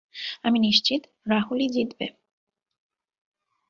আমি নিশ্চিত রাহুলই জিতবে।